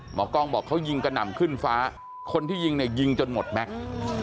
หมอกล้องบอกเขายิงกระหน่ำขึ้นฟ้าคนที่ยิงเนี่ยยิงจนหมดแม็กซ์